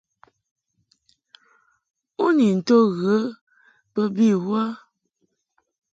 U ni nto ghə bə bi wə ?